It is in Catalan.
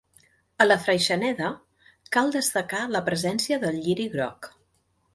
A la freixeneda cal destacar la presència de lliri groc.